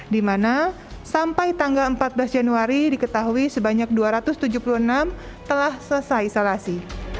di mana sampai tanggal empat belas januari diketahui sebanyak dua ratus tujuh puluh enam telah selesai isolasi